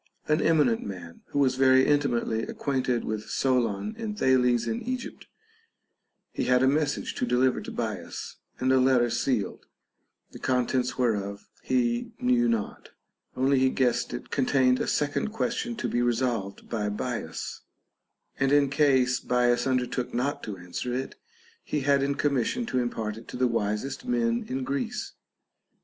an emi nent man, who was very intimately acquainted with Solon and Thales in Egypt ; he had a message to deliver to Bias, and a letter sealed, the contents whereof he knew not ; only he guessed it contained a second question to be resolved by Bias, and in case Bias undertook not to an swer it, he had in commission to impart it to the wisest men in Greece.